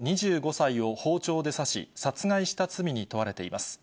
２５歳を包丁で刺し、殺害した罪に問われています。